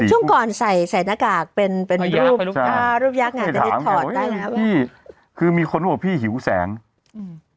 ได้ถอดได้พี่คือมีคนว่าพี่หิวแสงอืม